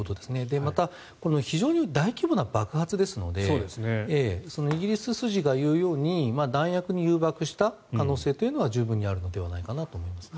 また非常に大規模な爆発ですのでイギリス筋が言うように弾薬に誘爆した可能性というのは十分にあるのではないかなと思いますね。